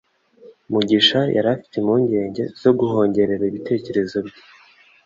Mugisha yari afite impungenge zo guhongerera ibitekerezo bye